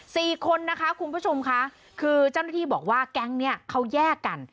สี่คนนะคะคุณผู้ชมค่ะคือเจ้าหน้าที่บอกว่าแก๊งเนี้ยเขาแยกกัน